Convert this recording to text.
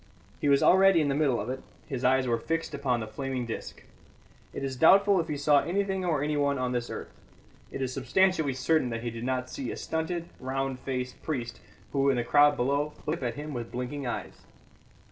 He was already in the middle of it; his eyes were fixed upon the flaming disc. It is doubtful if he saw anything or anyone on this earth; it is substantially certain that he did not see a stunted, round faced priest who, in the crowd below, looked up at him with blinking eyes.